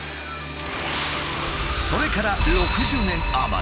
それから６０年余り。